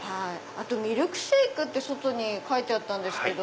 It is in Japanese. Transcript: あとミルクシェイクって外に書いてあったんですけど。